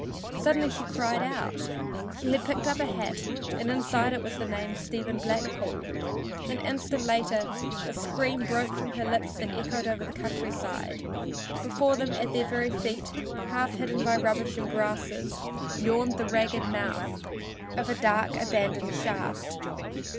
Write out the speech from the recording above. Suddenly she cried out she had picked up a hat and inside it was the name "Stephen Blackpool." An instant later a scream broke from her lips that echoed over the country side. Before them, at their very feet, half hidden by rubbish and grasses, yawned the ragged mouth of a dark, abandoned shaft.